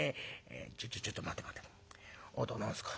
『ちょちょいと待て待て。あなた何すか。